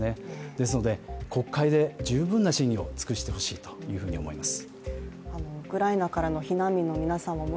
ですので国会で十分な審議を尽くしてほしいというふうに思います。